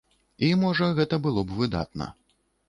І, можа, гэта было б выдатна.